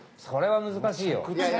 それは難しいよ。